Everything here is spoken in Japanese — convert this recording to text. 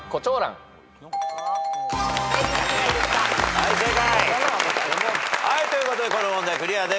はい正解。ということでこの問題クリアでございます。